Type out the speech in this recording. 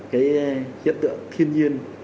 cái hiện tượng thiên nhiên